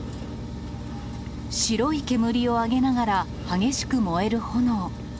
白い煙を上げながら、激しく燃える炎。